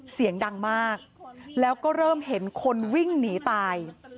เสียงดังมากแล้วก็เริ่มเห็นคนวิ่งหนีตาย